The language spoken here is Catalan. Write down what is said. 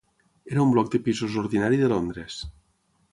Era un bloc de pisos ordinari de Londres.